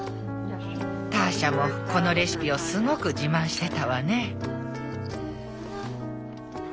ターシャもこのレシピをすごく自慢してたわね。